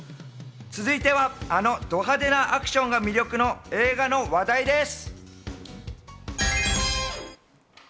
続いては、あのド派手なアクションが魅力の映画の話題です。